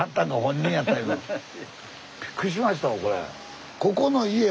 びっくりしましたこれ。